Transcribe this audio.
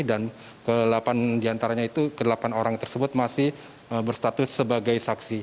dan diantaranya itu ke delapan orang tersebut masih berstatus sebagai